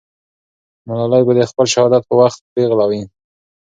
ملالۍ به د خپل شهادت په وخت پېغله وي.